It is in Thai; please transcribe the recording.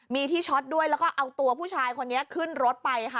มีที่ช็อตด้วยแล้วก็เอาตัวผู้ชายคนนี้ขึ้นรถไปค่ะ